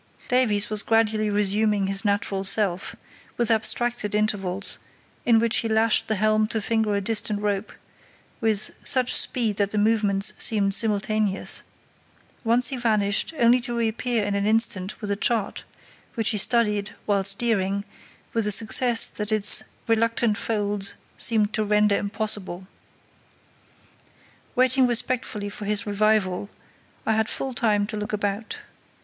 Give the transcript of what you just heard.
Davies was gradually resuming his natural self, with abstracted intervals, in which he lashed the helm to finger a distant rope, with such speed that the movements seemed simultaneous. Once he vanished, only to reappear in an instant with a chart, which he studied, while steering, with a success that its reluctant folds seemed to render impossible. Waiting respectfully for his revival I had full time to look about.